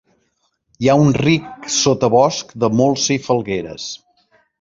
Hi ha un ric sotabosc de molsa i falgueres.